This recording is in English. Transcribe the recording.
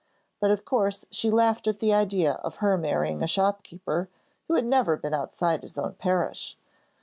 But of course she laughed at the idea of her marrying a shopkeeper who had never been outside his own parish.